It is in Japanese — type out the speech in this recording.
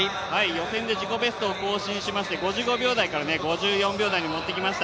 予選で自己ベストを更新しまして、５５秒台から５４秒台に持ってきました。